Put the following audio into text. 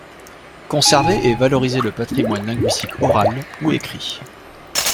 Conserver et valoriser le patrimoine linguistique oral ou écrit.